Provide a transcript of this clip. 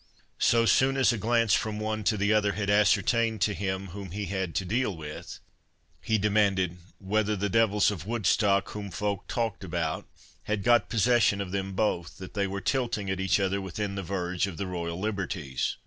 So soon as a glance from one to the other had ascertained to him whom he had to deal with, he demanded, "Whether the devils of Woodstock, whom folk talked about, had got possession of them both, that they were tilting at each other within the verge of the royal liberties?